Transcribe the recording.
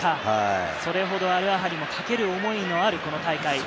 それほどアルアハリもかける思いのある大会。